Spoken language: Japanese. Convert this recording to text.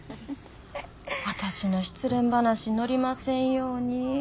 私の失恋話載りませんように。